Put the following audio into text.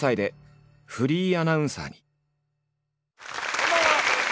こんばんは。